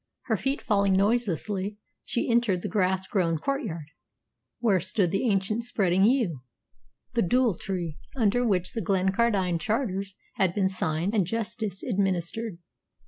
Her feet falling noiselessly, she entered the grass grown courtyard, where stood the ancient spreading yew, the "dule tree," under which the Glencardine charters had been signed and justice administered.